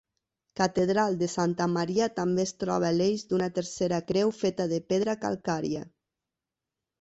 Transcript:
Catedral de Santa Maria també es troba l'eix d'una tercera creu feta de pedra calcària.